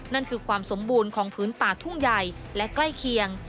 นั่นคือความสมบูรณ์ของพื้นป่าทุ่งใหญ่และใกล้เคียง